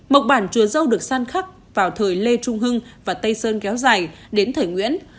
mộc bản chùa dâu được san khắc vào thời lê trung hưng và tây sơn kéo dài đến thời nguyễn